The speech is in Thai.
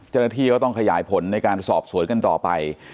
จริงที่เขาต้องขยายผลในการสอบสวยกันต่อไป